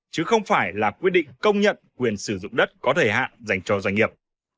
chứ không phải là quyết định công nhận quyền sử dụng đất có thời hạn dành cho doanh nghiệp